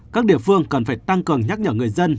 các địa phương cần phải tăng cường nhắc nhở người dân